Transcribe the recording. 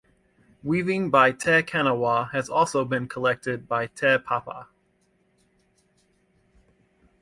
Weaving by Te Kanawa has also been collected by Te Papa.